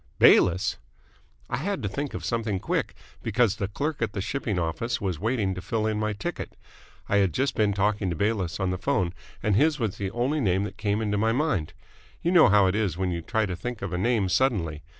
"Bayliss!" "I had to think of something quick, because the clerk at the shipping office was waiting to fill in my ticket. I had just been talking to Bayliss on the phone and his was the only name that came into my mind. You know how it is when you try to think of a name suddenly.